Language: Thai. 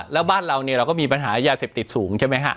แล้วบ้านเราก็มีปัญหายาเสพติดสูงใช่ไหมครับ